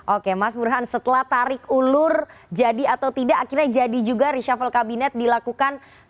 oke mas burhan setelah tarik ulur jadi atau tidak akhirnya jadi juga reshuffle kabinet dilakukan